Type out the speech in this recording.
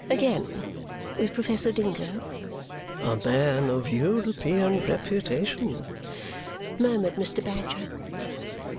Again, with Professor Dingo." "A man of European reputation," murmured Mr. Badger.